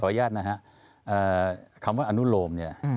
อนุญาตนะฮะคำว่าอนุโลมเนี่ย